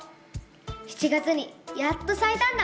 ７月にやっとさいたんだ！